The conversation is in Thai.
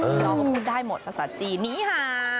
รู้ว่าพูดได้หมดภาษาจีนนี้ค่ะ